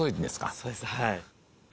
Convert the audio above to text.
そうですはい。